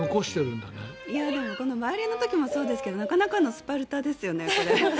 でもバイオリンの時もそうですけどなかなかのスパルタですよねこれ。